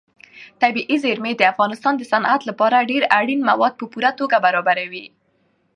طبیعي زیرمې د افغانستان د صنعت لپاره ډېر اړین مواد په پوره توګه برابروي.